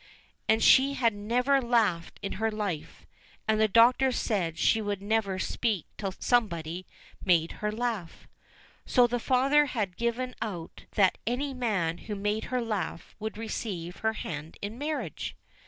And she had never laughed in her life, and the doctors said she would never speak till somebody made her laugh. So the father had given out that any man who made her laugh would receive her hand in marriage.